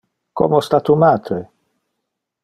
Como sta tu matre?